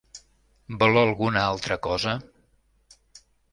Vol alguna altre cosa?